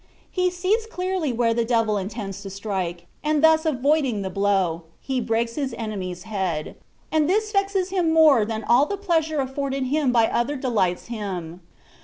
He sees clearly where the de\^ intends to strike, and thus avoiding the blow, he breaks his enemy^s head ; and this vexes him more than all the pleasure afforded him by others delights him.